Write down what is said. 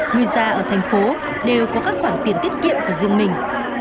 người ra ở thành phố đều có các khoản tiền tiết kiệm của riêng mình